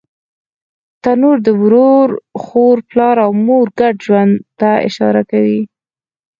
تنور د ورور، خور، پلار او مور ګډ ژوند ته اشاره کوي